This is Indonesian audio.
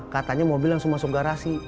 katanya mobil langsung masuk garasi